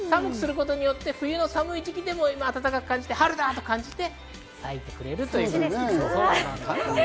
冬の寒い時期でも暖かく感じて、春だと感じて咲いてくれるということです。